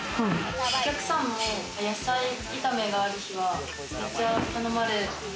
お客さんも野菜炒めがある日は、めっちゃ頼まれます。